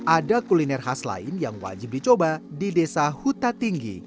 ada kuliner khas lain yang wajib dicoba di desa huta tinggi